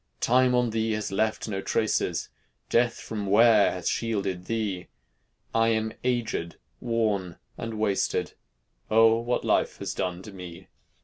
"Time on thee has left no traces, Death from wear has shielded thee; I am agéd, worn, and wasted, O! what life has done to me!"